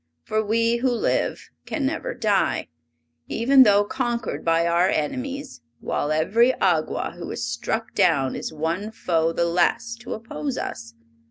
For we who live can never die, even though conquered by our enemies, while every Awgwa who is struck down is one foe the less to oppose us.